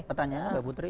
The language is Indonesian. pertanyaan mbak putri